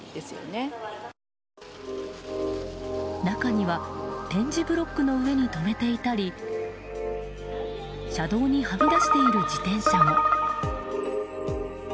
中には点字ブロックの上に止めていたり車道にはみ出している自転車も。